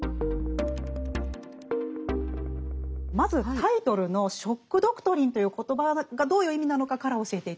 まずタイトルの「ショック・ドクトリン」という言葉がどういう意味なのかから教えて頂けますか？